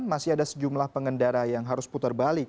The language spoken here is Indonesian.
masih ada sejumlah pengendara yang harus putar balik